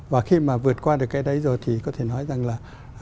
và khi mà vượt qua được cái đấy rồi thì có thể nói rằng là